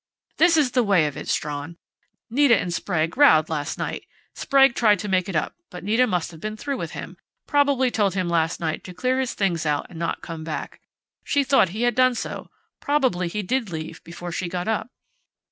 "This is the way of it, Strawn.... Nita and Sprague rowed last night. Sprague tried to make it up, but Nita must have been through with him. Probably told him last night to clear his things out and not come back. She thought he had done so; probably he did leave before she got up.